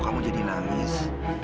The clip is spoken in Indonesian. kamu jadi nangis